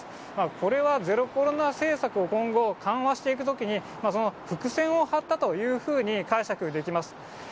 これは、ゼロコロナ政策を今後、緩和していくときに、伏線を張ったというふうに解釈できます。